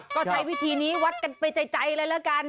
ก็ใช้วิธีนี้วัดกันไปใจเลยละกัน